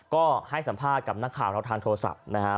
ก็ให้สัมภาพกับนักข่าวแล้วทางโทรศัพท์นะครับ